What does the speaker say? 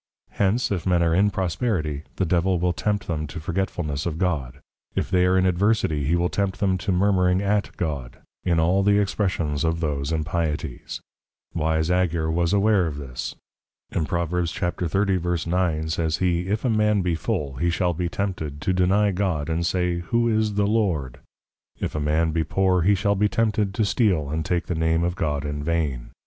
_ Hence, if men are in Prosperity, the Devil will tempt them to Forgetfulness of God; if they are in Adversity, he will tempt them to Murmuring at God; in all the expressions of those impieties. Wise Agur was aware of this; in Prov. 30.9. says he, if a man be Full, he shall be tempted, to deny God, and say, who is the Lord? if a man be Poor, he shall be tempted, _to steal, and take the Name of God in vain.